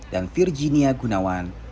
dan virginia gunawan